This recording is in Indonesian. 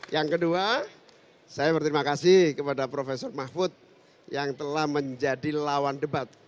yang kedua saya berterima kasih kepada profesor mahfud yang telah menjadi lawan debat